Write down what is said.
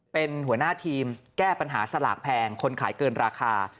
เป็นหัวหน้าทีมแก้ปัญหาสลากแพงคนขายเกินราคา